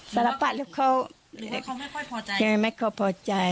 สาระปัดหรือเขาไม่ค่อยพอใจเรื่องอะไรไม่ค่อยพอใจ